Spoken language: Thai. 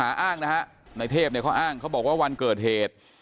อ้างนะฮะในเทพเนี่ยเขาอ้างเขาบอกว่าวันเกิดเหตุ